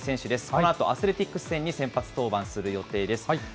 このあとアスレティックス戦に先発登板する予定です。